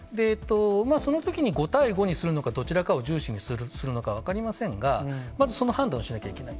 そのときに、５対５にするのか、どちらかを重視するのか分かりませんが、まず、その判断をしなきゃいけない。